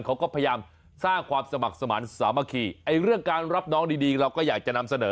เขาก็พยายามสร้างความสมัครสมาธิสามัคคีไอ้เรื่องการรับน้องดีดีเราก็อยากจะนำเสนอ